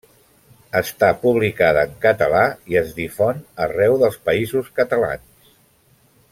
Està publicada en català i es difon arreu dels Països Catalans.